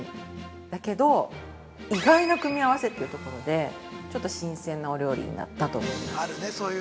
だけど、意外な組み合わせというところでちょっと新鮮なお料理になったと思います。